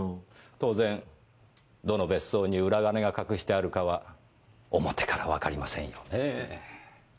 当然どの別荘に裏金が隠してあるかは表からわかりませんよねぇ。